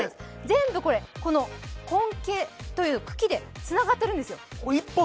全部、この根茎という茎でつながってるんですよ。